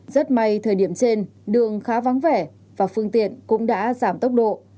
rất may thời điểm trên đường khá vắng vẻ và phương tiện cũng đã giảm tốc độ